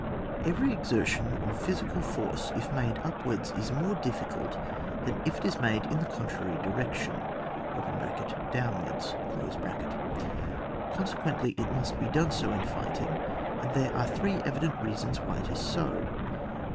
Every exertion of physical force if made upwards is more difficult than if it is made in the contrary direction (down wards) ; consequently it must be so in fighting; and there are three evident rea sons why it is so.